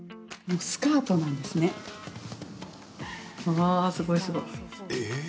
わあ、すごいすごい。